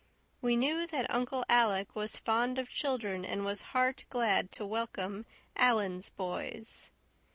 We knew that Uncle Alec was fond of children and was heart glad to welcome "Alan's boys."